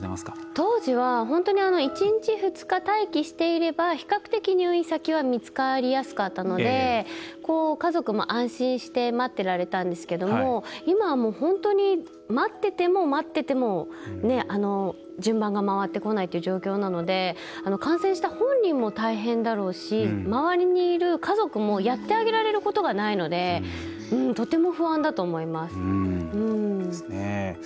当時は、１日２日待機していれば比較的、入院先は見つかりやすかったので家族も安心して待ってられたんですけれども今は本当に待ってても待ってても順番が回ってこない状況なので感染した本人も大変だろうし周りにいる家族もやってあげられることがないのでとても不安だと思います。